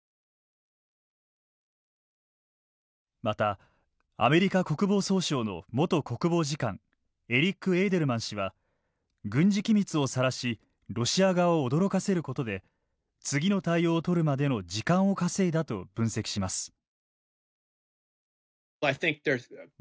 またアメリカ国防総省の元国防次官エリック・エーデルマン氏は軍事機密をさらしロシア側を驚かせることで次の対応をとるまでの時間を稼いだと分析します。